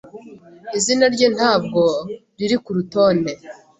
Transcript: Izina rye ntabwo riri kurutonde.